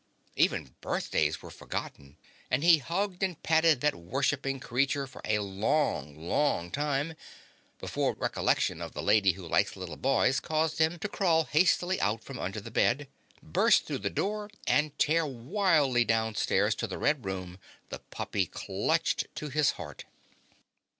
Even birthdays were forgotten and he hugged and patted that worshipping creature for a long, long time before recollection of the Lady Who Likes Little Boys caused him to crawl hastily out from under the bed, burst through the door, and tear wildly downstairs to the red room, the puppy clutched to his heart.